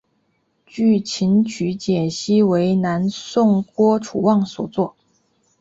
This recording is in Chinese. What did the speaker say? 据琴曲解析为南宋郭楚望所作。